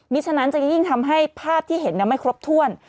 ฉะนั้นจะยิ่งทำให้ภาพที่เห็นไม่ครบถ้วน